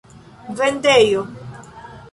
vendejo